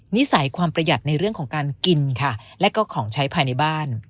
นิสัยความประหยัดในเรื่องของการกินค่ะและก็ของใช้ภายในบ้าน